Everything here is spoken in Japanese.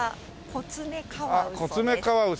コツメカワウソね。